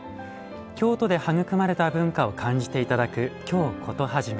京都で育まれた文化を感じて頂く「京コトはじめ」。